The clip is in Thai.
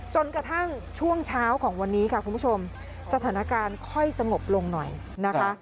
จนกระทั่งช่วงเช้าของวันนี้ค่ะคุณผู้ชมสถานการณ์ค่อยสงบลงหน่อยนะคะ